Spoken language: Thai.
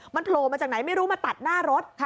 มันโผล่มาจากไหนไม่รู้มาตัดหน้ารถ